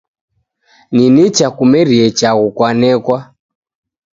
Ni nicha kumerie chaghu kwanekwa